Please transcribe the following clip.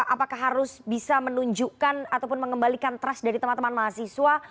apakah harus bisa menunjukkan ataupun mengembalikan trust dari teman teman mahasiswa